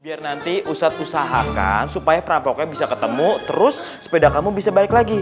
biar nanti ustadz usahakan supaya perampoknya bisa ketemu terus sepeda kamu bisa balik lagi